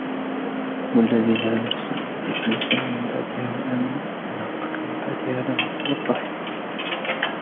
وَالَّذِينَ عَمِلُوا السَّيِّئَاتِ ثُمَّ تَابُوا مِنْ بَعْدِهَا وَآمَنُوا إِنَّ رَبَّكَ مِنْ بَعْدِهَا لَغَفُورٌ رَحِيمٌ